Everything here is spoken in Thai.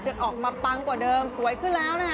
จะออกมาปังกว่าเดิมสวยขึ้นแล้วนะคะ